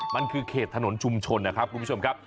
มันคือเขตถนนชุมชนนะครับคุณผู้ชมครับ